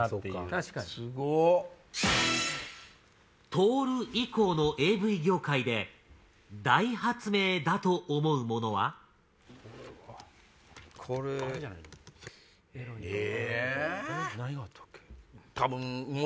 確かに。とおる以降のＡＶ業界で大発明だと思うものは？え？